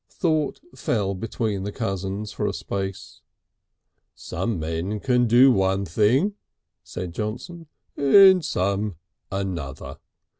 Thought fell between the cousins for a space. "Some men can do one thing," said Johnson, "and some another....